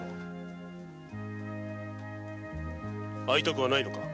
会いたくはないのか。